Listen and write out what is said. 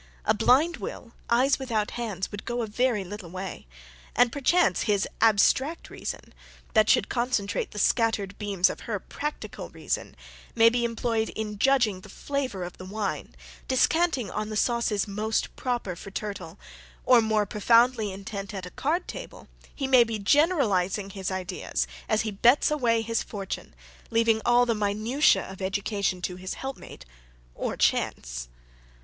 A blind will, "eyes without hands," would go a very little way; and perchance his abstract reason, that should concentrate the scattered beams of her practical reason, may be employed in judging of the flavour of wine, discanting on the sauces most proper for turtle; or, more profoundly intent at a card table, he may be generalizing his ideas as he bets away his fortune, leaving all the minutiae of education to his helpmate or chance.